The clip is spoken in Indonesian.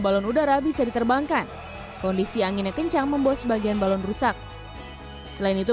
balon udara bisa diterbangkan kondisi anginnya kencang membuat sebagian balon rusak selain itu